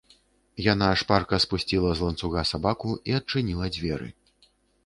Яна шпарка спусціла з ланцуга сабаку і адчыніла дзверы.